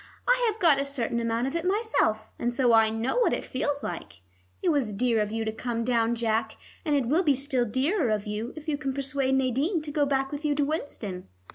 I have got a certain amount of it myself, and so I know what it feels like. It was dear of you to come down, Jack, and it will be still dearer of you if you can persuade Nadine to go back with you to Winston."